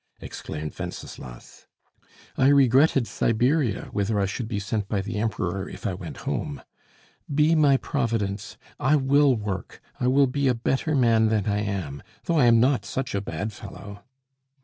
exclaimed Wenceslas. "I regretted Siberia, whither I should be sent by the Emperor if I went home. Be my Providence! I will work; I will be a better man than I am, though I am not such a bad fellow!"